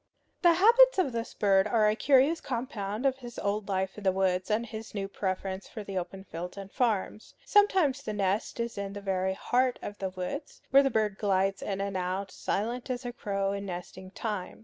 The habits of this bird are a curious compound of his old life in the woods and his new preference for the open fields and farms. Sometimes the nest is in the very heart of the woods, where the bird glides in and out, silent as a crow in nesting time.